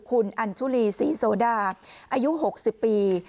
คุณอัญชุลีศรีโซดาอายุ๖๐ปี